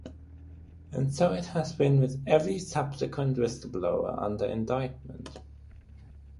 And so it has been with every subsequent whistleblower under indictment.